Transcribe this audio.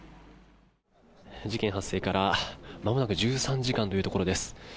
事件発生からまもなく１３時間というところです。